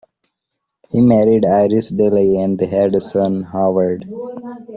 He married Iris Dilley and they had a son Howard.